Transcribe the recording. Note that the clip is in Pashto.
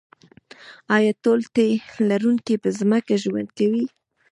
ایا ټول تی لرونکي په ځمکه ژوند کوي